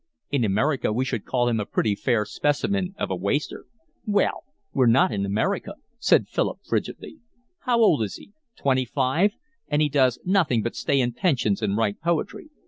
In America we should call him a pretty fair specimen of a waster." "Well, we're not in America," said Philip frigidly. "How old is he? Twenty five? And he does nothing but stay in pensions and write poetry."